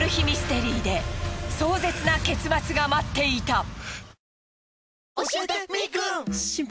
ミステリーで壮絶な結末が待っていた！